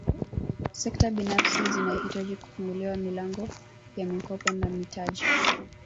Sekta binafsi zinahitaji kufunguliwa milango ya mikopo na mitaji